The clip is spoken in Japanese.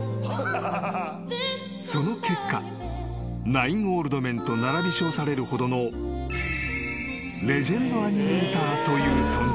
［ナイン・オールド・メンと並び称されるほどのレジェンドアニメーターという存在に］